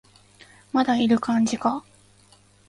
まだいる感じか